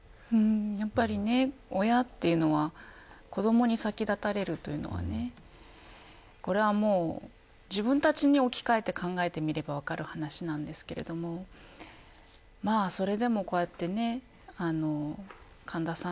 やっぱり親というのは子どもに先立たれるというのはこれはもう自分たちに置き換えて考えてみれば分かる話なんですけれどもそれでもこうやって神田さん